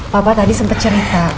papa tadi sempet cerita